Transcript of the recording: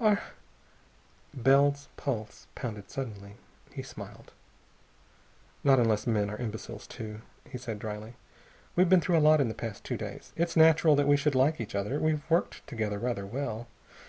Are " Bell's pulse pounded suddenly. He smiled. "Not unless men are imbeciles too," he said dryly. "We've been through a lot in the past two days. It's natural that we should like each other. We've worked together rather well.